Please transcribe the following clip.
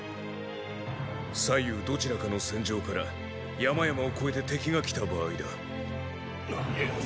左右どちらかの戦場から山々を越えて敵が来た場合だ。